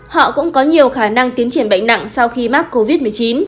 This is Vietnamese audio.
họ cũng có nhiều khả năng tiến triển bệnh nặng sau khi mắc covid một mươi chín